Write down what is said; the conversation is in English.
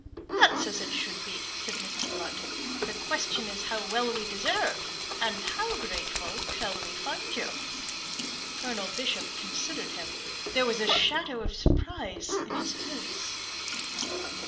"That's as it should be," said Mr. Blood. "The question is how well we deserve, and how grateful shall we find you?" Colonel Bishop considered him. There was a shadow of surprise in his face.